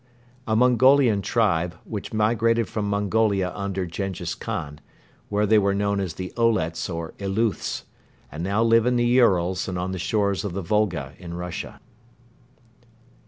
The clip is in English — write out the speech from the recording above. A Mongolian tribe, which migrated from Mongolia under Jenghiz Khan (where they were known as the Olets or Eleuths), and now live in the Urals and on the shores of the Volga in Russia.